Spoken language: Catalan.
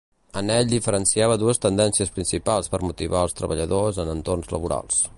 En ell diferenciava dues tendències principals per motivar als treballadors en entorns laborals.